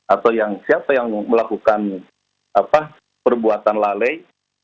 atau siapa yang melakukan perbuatan lalai